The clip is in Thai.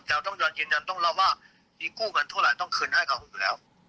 เราต้องยืนยันต้องรับว่ามีกู้เงินเท่าไหร่ต้องคืนให้เขาอยู่แล้ว